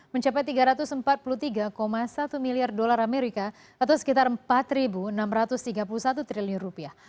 mencapai tiga ratus empat puluh tiga satu miliar dolar amerika atau sekitar empat enam ratus tiga puluh satu triliun rupiah